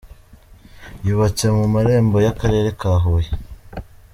Yubatse mu marembo y’akarere ka Huye.